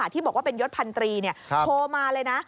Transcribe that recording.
ที่บอกว่าเป็นยศพันตรีโทรมาเลยนะ